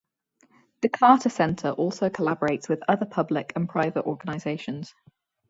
The Carter Center also collaborates with other public and private organizations.